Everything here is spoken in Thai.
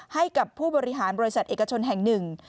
ให้กับผู้บริหารบริษัทเอกชนแห่งหนึ่ง